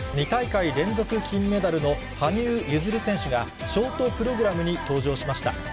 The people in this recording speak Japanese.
２大会連続金メダルの羽生結弦選手が、ショートプログラムに登場しました。